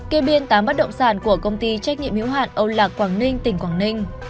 kê biên tám bất động sản của công ty trách nhiệm hữu hạn âu lạc quảng ninh tỉnh quảng ninh